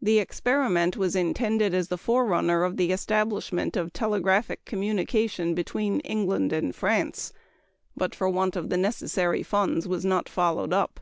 The experiment was intended as the forerunner of the establishment of telegraphic communication between England and France, but for want of the necessary funds was not followed up.